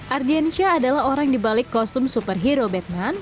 ardianysia adalah orang dibalik kostum superhero batman